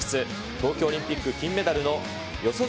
東京オリンピック金メダルの四十住